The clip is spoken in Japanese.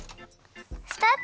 スタート！